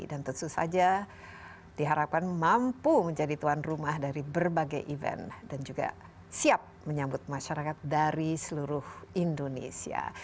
dan tentu saja diharapkan mampu menjadi tuan rumah dari berbagai event dan juga siap menyambut masyarakat dari seluruh indonesia